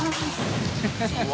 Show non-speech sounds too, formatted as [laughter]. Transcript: ハハハ [laughs]